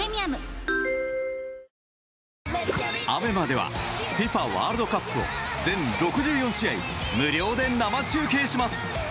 ＡＢＥＭＡではＦＩＦＡワールドカップを全６４試合無料で生中継します。